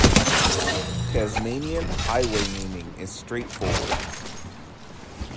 Tasmanian highway naming is straightforward.